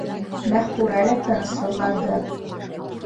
Мәғфүрә лә тынысһыҙланды: